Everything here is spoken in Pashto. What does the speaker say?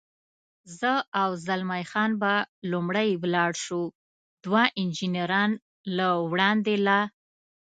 زه او زلمی خان به لومړی ولاړ شو، دوه انجنیران له وړاندې لا.